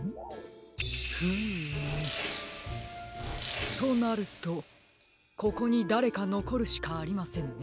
フームとなるとここにだれかのこるしかありませんね。